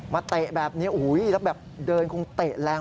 เตะแบบนี้โอ้โหแล้วแบบเดินคงเตะแรง